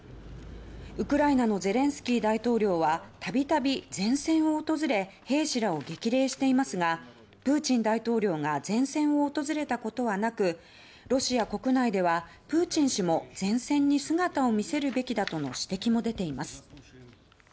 ウクライナのゼレンスキー大統領は度々、前線を訪れ兵士らを激励していますがプーチン大統領が前線を訪れたことはなくロシア国内では、プーチン氏も前線に姿を見せるべきだとの指摘も出ています。